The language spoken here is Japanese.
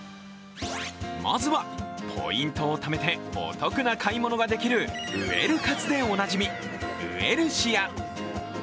まずはポイントをためてお得な買い物ができるウエル活でおなじみウエルシア。